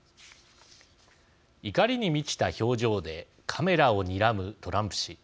怒りに満ちた表情でカメラをにらむトランプ氏。